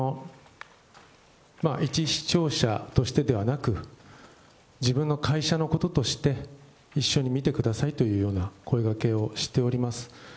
一視聴者としてではなく、自分の会社のこととして、一緒に見てくださいというような声がけをしております。